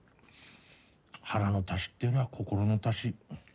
腹の足しっていうのは心の足し。